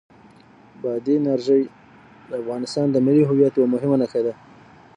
بادي انرژي د افغانستان د ملي هویت یوه مهمه نښه ده.